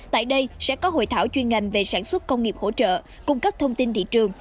tại đây sẽ có hội thảo chuyên ngành về sản xuất công nghiệp hỗ trợ cung cấp thông tin thị trường